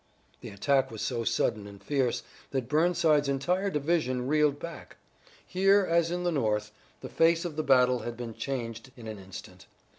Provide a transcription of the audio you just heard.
The attack was so sudden and fierce that Burnside's entire division reeled back. Here, as in the north, the face of the battle had been changed in an instant.